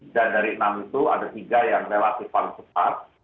dan dari enam itu ada tiga yang relatif paling cepat